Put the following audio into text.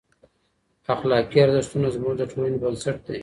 اخلاقي ارزښتونه زموږ د ټولنې بنسټ دی.